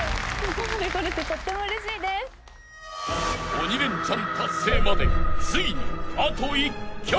［鬼レンチャン達成までついに］